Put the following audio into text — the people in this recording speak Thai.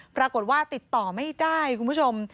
ปรากฏว่าติดต่อไม่ได้คุณผู้ชม